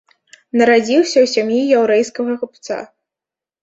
Нарадзіўся ў сям'і яўрэйскага купца.